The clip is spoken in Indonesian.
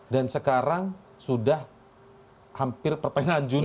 sekarang sudah hampir pertengahan juni